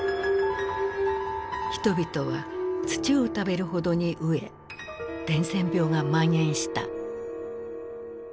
人々は土を食べるほどに飢え伝染病がまん延した。